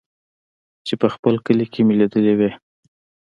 چې په خپل کلي کښې مې ليدلې وې.